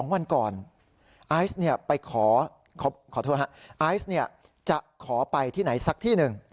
๒วันก่อนไอซ์จะขอไปที่ไหนสักที่หนึ่ง